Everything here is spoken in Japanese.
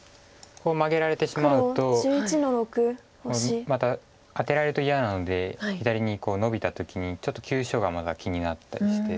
マゲられてしまうとまたアテられると嫌なので左にノビた時にちょっと急所がまた気になったりして。